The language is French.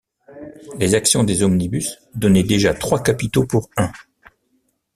Les actions des Omnibus donnaient déjà trois capitaux pour un.